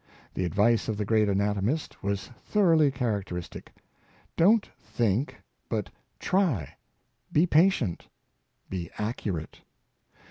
The advice of the great an atomist was thoroughly characteristic: "Don't think, but try ; be patient, be accurate.